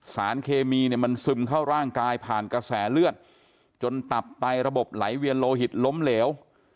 สารเคมีเนี่ยมันซึมเข้าร่างกายผ่านกระแสเลือดจนตับไตระบบไหลเวียนโลหิตล้มเหลว